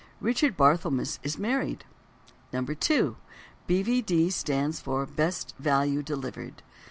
Richard Barthelmess is married. 2. B. V. D. stands for "Best Value Delivered."